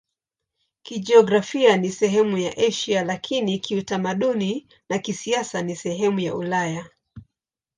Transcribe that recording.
Kijiografia ni sehemu ya Asia, lakini kiutamaduni na kisiasa ni sehemu ya Ulaya.